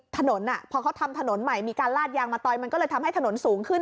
ถนนพอเขาทำถนนใหม่มีการลาดยางมาต่อยมันก็เลยทำให้ถนนสูงขึ้น